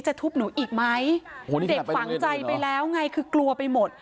ทุบหนูอีกไหมเด็กฝังใจไปแล้วไงคือกลัวไปหมด